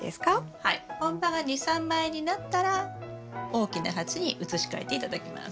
本葉が２３枚になったら大きな鉢に移し替えて頂きます。